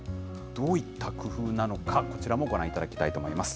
どういった工夫なのか、こちらもご覧いただきたいと思います。